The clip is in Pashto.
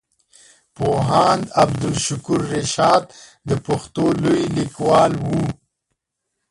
پوهاند عبدالشکور رشاد د پښتو لوی ليکوال وو.